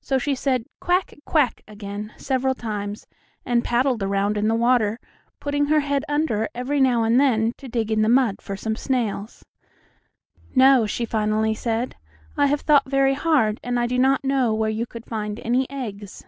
So she said "Quack! quack!" again, several times, and paddled around in the water, putting her head under every now and then to dig in the mud for some snails. "No," she finally said, "I have thought very hard, and I do not know where you could find any eggs."